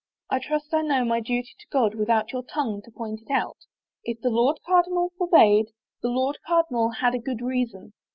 " I trust I know my duty to God without your tongue to point it. ... If the Lord Cardinal forbade, the Lord Cardinal had a good reason."